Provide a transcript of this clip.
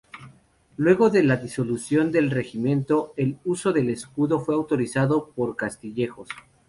Luego de la disolución del regimiento, el uso del escudo fue autorizado por Castillejos.